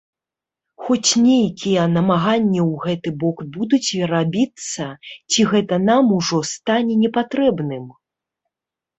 Хоць нейкія намаганні ў гэты бок будуць рабіцца, ці гэта нам ужо стане непатрэбным?